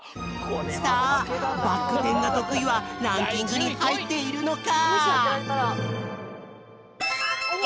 さあ「バックてんがとくい」はランキングにはいっているのか？